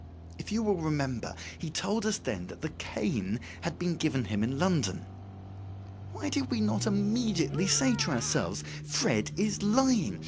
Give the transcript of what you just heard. If you will remember, he told us then that the cane had been given him in London. Why did we not immediately say to ourselves: 'Fred is lying.